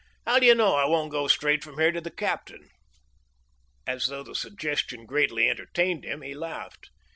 How do you know I won't go straight from here to the captain?" As though the suggestion greatly entertained him, he laughed.